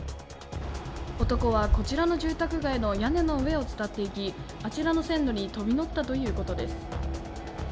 男は、こちらの住宅街の屋根の上を伝っていきあちらの線路に飛び乗ったということです。